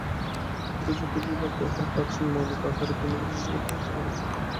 বুদ্ধ জাতিবিভাগকে উহার প্রাচীন মৌলিক আকারে পুনঃপ্রতিষ্ঠিত করিবার চেষ্টা করিয়াছিলেন।